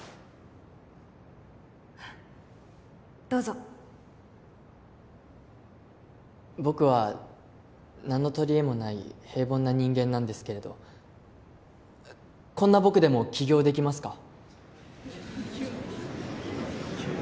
どうぞ僕は何の取り柄もない平凡な人間なんですけれどこんな僕でも起業できますか？